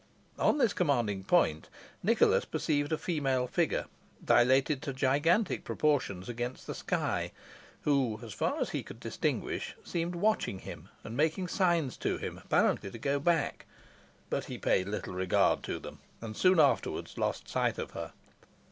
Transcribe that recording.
On this commanding point Nicholas perceived a female figure, dilated to gigantic proportions against the sky, who, as far as he could distinguish, seemed watching him, and making signs to him, apparently to go back; but he paid little regard to them, and soon afterwards lost sight of her.